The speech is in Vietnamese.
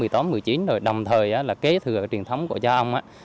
từ thời kế thừa truyền thống của cha ông